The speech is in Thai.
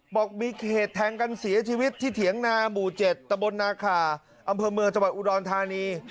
บอกมีเหตุแทงกันเสียชีวิตที่เถียงนาหมู่๗ตะบนนาขาอำเภอเมืองจังหวัดอุดรธานี